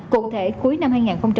cụ thể cuối năm hai nghìn một mươi tám